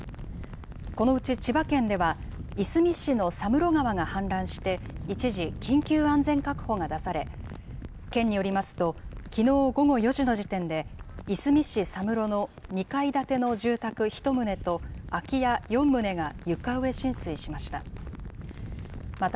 このうち千葉県では、いすみ市の佐室川が氾濫して、一時、緊急安全確保が出され、県によりますと、きのう午後４時の時点で、いすみ市佐室の２階建ての住宅１棟と、空き家４棟が床上浸水しました。